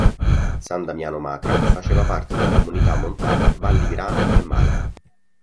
San Damiano Macra faceva parte della comunità montana Valli Grana e Maira.